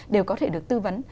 đều có thể được tư vấn